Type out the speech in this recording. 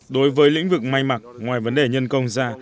đối với lĩnh vực may mặc ngoài vấn đề nhân công ra